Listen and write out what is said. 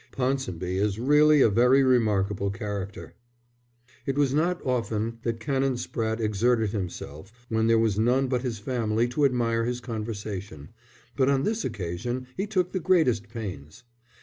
"Ponsonby is really a very remarkable character." It was not often that Canon Spratte exerted himself when there was none but his family to admire his conversation, but on this occasion he took the greatest pains.